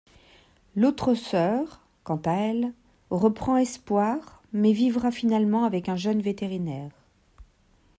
L'autre sœur, quant à elle, reprend espoir mais vivra finalement avec un jeune vétérinaire.